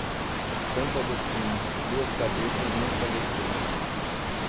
Santo Agostinho, duas cabeças num travesseiro.